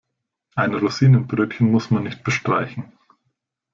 Ein Rosinenbrötchen muss man nicht bestreichen.